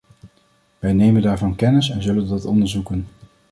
Wij nemen daarvan kennis en zullen dat onderzoeken.